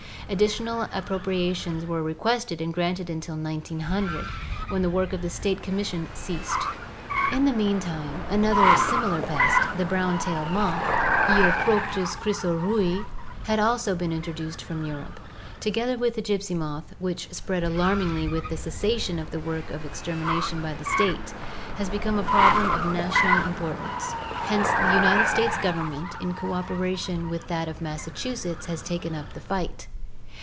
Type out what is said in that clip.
Addi tional appropriations were requested and granted until 1900, when the work of the state commission ceased. In the meantime another similar pest, the brown tail moth (Euproctis chrysorrh&a) had also been introduced from Europe and, together with the gypsy moth, which spread alarmingly with the cessation of the work of exter mination by the state, has become a problem of national impor NATURAL SELECTION m tance. Hence the United States Government in coSperation with that of Massachusetts has taken up the fight.